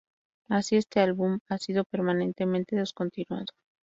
Así, este álbum ha sido permanentemente descontinuado.